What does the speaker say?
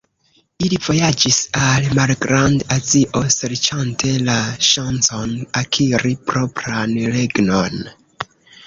Ili vojaĝis al Malgrand-Azio, serĉante la ŝancon akiri propran regnon.